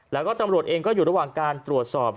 แล้วก็ตำรวจเองก็อยู่ระหว่างการตรวจสอบ